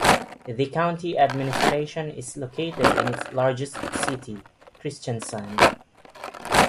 The county administration is located in its largest city, Kristiansand.